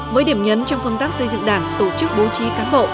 với điểm nhấn trong công tác xây dựng đảng tổ chức bố trí cán bộ